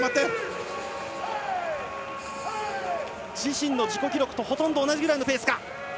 自身の自己記録とほとんど同じぐらいのペースか。